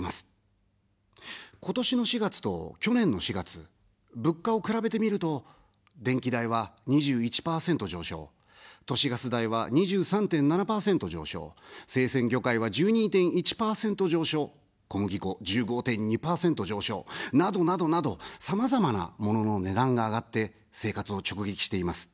今年の４月と去年の４月、物価を比べてみると、電気代は２１％上昇、都市ガス代は２３．７％上昇、生鮮魚介は１２．１％上昇、小麦粉１５．２％上昇などなどなど、さまざまな、モノの値段が上がって生活を直撃しています。